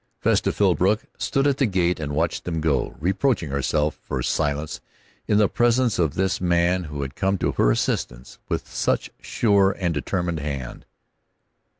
Vesta Philbrook stood at the gate and watched them go, reproaching herself for her silence in the presence of this man who had come to her assistance with such sure and determined hand.